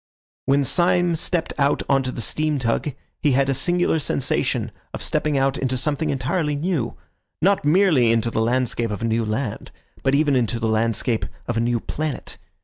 When Syme stepped out on to the steam tug he had a singular sensation of stepping out into something entirely new; not merely into the landscape of a new land, but even into the landscape of a new planet.